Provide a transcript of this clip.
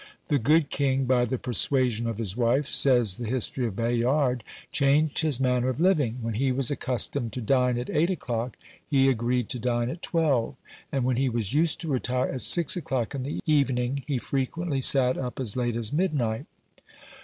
The good king, by the persuasion of his wife, says the history of Bayard, changed his manner of living: when he was accustomed to dine at eight o'clock, he agreed to dine at twelve; and when he was used to retire at six o'clock in the evening, he frequently sat up as late as midnight.